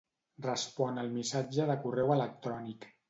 Respon el missatge de correu electrònic.